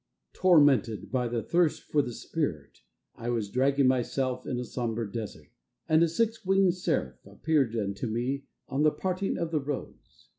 Tormented by the thirst for the spirit I was dragging myself in a sombre desert, And a six winged seraph appeared Unto me on the parting of the roads.